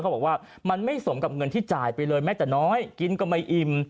บอกว่ามันไม่สมกับเงินที่จ่ายไปเลยแม้แต่น้อยกินก็ไม่อิ่ม